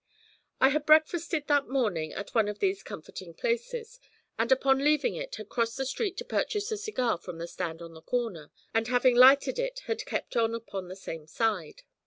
I had breakfasted that morning at one of these comforting places, and upon leaving it had crossed the street to purchase a cigar from the stand on the corner, and having lighted it had kept on upon the same side.